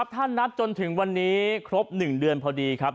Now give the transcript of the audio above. ถ้านับจนถึงวันนี้ครบ๑เดือนพอดีครับ